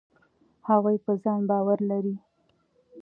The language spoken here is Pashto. هغوی په ځان باور لري.